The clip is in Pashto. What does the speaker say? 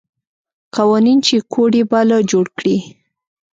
قوانین چې کوډ یې باله جوړ کړي.